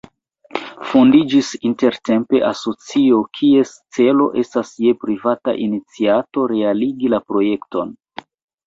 Fondiĝis intertempe asocio, kies celo estas je privata iniciato realigi la projekton.